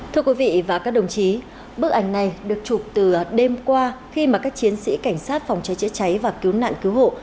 thưa quý vị và các đồng chí bức ảnh này được chụp từ đêm qua khi mà các chiến sĩ cảnh sát phòng cháy chữa cháy và cứu nạn cứu hộ